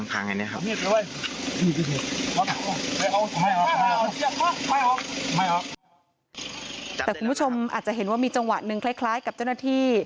แต่คุณผู้ชมอาจจะเห็นว่ามีจังหวะหนึ่งคล้ายกับเจ้าหน้าที่